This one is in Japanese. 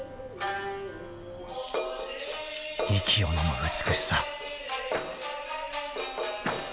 ［息をのむ美しさ］